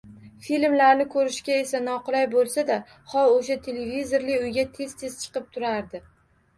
Filmlarni koʻrishga esa noqulay boʻlsa-da, hov oʻsha — televizorli uyga tez-tez chiqib turardi.